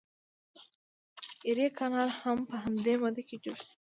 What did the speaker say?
ایري کانال هم په همدې موده کې جوړ شو.